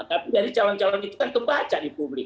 tapi dari calon calon itu kan kebaca di publik